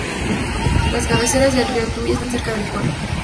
Las cabeceras del río Tuy están cerca del pueblo.